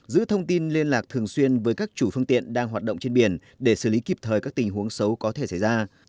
giữ thông tin liên lạc thường xuyên với các chủ phương tiện đang hoạt động trên biển để xử lý kịp thời các tình huống xấu có thể xảy ra